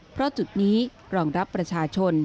เพราะจุดนี้รองรับประชาชน